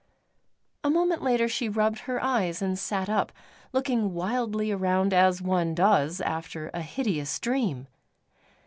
A moment later she rubbed her eyes and sat up, looking wildly around as one does after a hideous dream.